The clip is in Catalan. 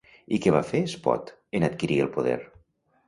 I què va fer, Espot, en adquirir el poder?